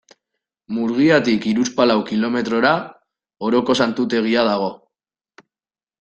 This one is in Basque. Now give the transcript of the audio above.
Murgiatik hiruzpalau kilometrora Oroko Santutegia dago.